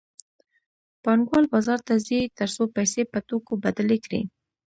پانګوال بازار ته ځي تر څو پیسې په توکو بدلې کړي